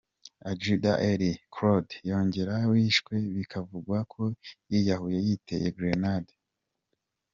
Adjudant Eddy Claude Nyongera wishwe bikavugwa ko yiyahuye yiteye Gerenade